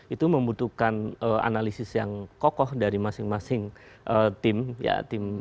itu membutuhkan analisis yang kokoh dari masing masing tim